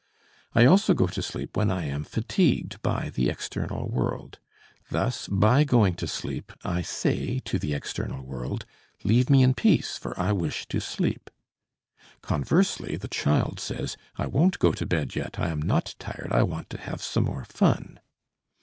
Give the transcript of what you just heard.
I also go to sleep when I am fatigued by the external world. Thus, by going to sleep, I say to the external world, "Leave me in peace, for I wish to sleep." Conversely, the child says, "I won't go to bed yet, I am not tired, I want to have some more fun."